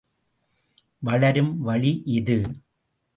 வளரும் வழி இது!